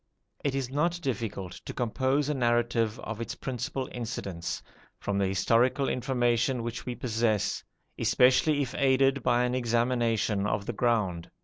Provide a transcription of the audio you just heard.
It is not difficult to compose a narrative of its principal incidents, from the historical information which we possess, especially if aided by an examination of the ground.